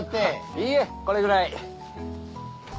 いいえこれくらい。